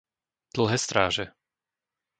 Dlhé Stráže